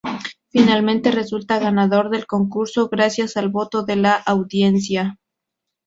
Finalmente, resulta ganador del concurso, gracias al voto de la audiencia.